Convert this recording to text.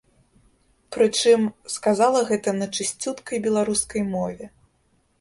Прычым, сказала гэта на чысцюткай беларускай мове.